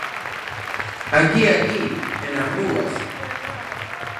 Aquí, aquí e nas rúas.